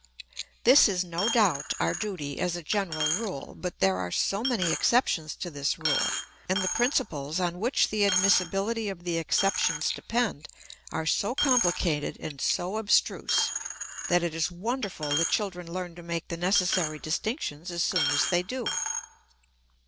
This is, no doubt, our duty, as a general rule, but there are so many exceptions to this rule, and the principles on which the admissibility of the exceptions depend are so complicated and so abstruse, that it is wonderful that children learn to make the necessary distinctions as soon as they do.